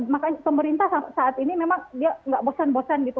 makanya pemerintah saat ini memang dia nggak bosan bosan gitu